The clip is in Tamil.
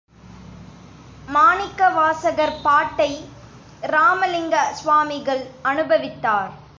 மாணிக்கவாசகர் பாட்டை இராமலிங்க சுவாமிகள் அநுபவித்தார்.